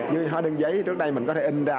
như hóa đơn giấy trước đây mình có thể in ra